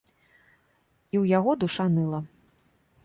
І ў яго душа ныла.